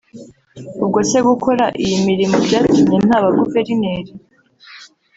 ubwo se gukora iyo mirimo byatumye ntaba Guverineri